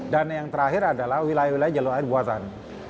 dan yang terakhir adalah wilayah wilayah jalur air buasan